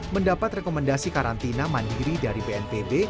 mendapat rekomendasi karantina mandiri dari bnpb